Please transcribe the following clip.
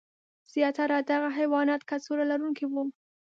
زیاتره دغه حیوانات کڅوړه لرونکي وو.